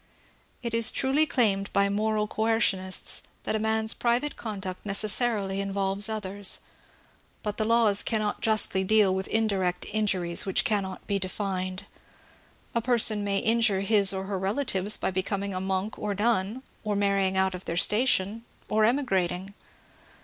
It is truly claimed by nK)ral coercionists that a man's private conduct necessarily in volves others ; but the laws cannot justly deal with indirect injuries which cannot be defined. A person may injure his or her relatives by becoming a monk or a nun, or marrying out of their station, or emigrating.